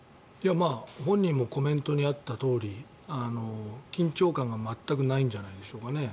本人もコメントにあったとおり緊張感が全くないんじゃないでしょうか。